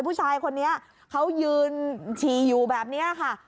ผู้ชายคนนี้เขายืนฉี่อยู่แบบนี้ค่ะ